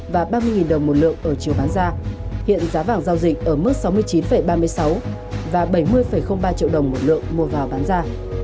và ba mươi đồng một lượng ở chiều bán ra hiện giá vàng giao dịch ở mức sáu mươi chín ba mươi sáu và bảy mươi ba triệu đồng một lượng mua vào bán ra